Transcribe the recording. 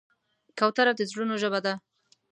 کوتره د زړونو ژبه ده.